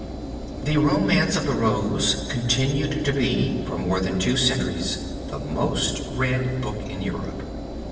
The Romance of the Rose continued to be for more than two centuries the most read book in Europe.